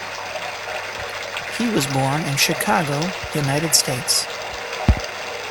He was born in Chicago, United States.